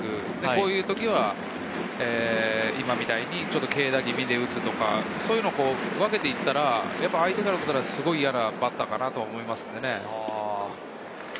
こういう時は今みたいに軽打気味で打つとか、そういうのを分けていったら、相手からすると嫌なバッターだと思いますのでね。